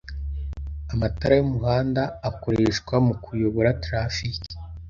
Amatara yumuhanda akoreshwa mu kuyobora traffic.